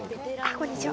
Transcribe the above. こんにちは。